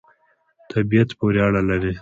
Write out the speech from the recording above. طبعیت پوری اړه لری